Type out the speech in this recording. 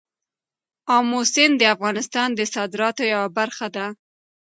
آمو سیند د افغانستان د صادراتو یوه برخه ده.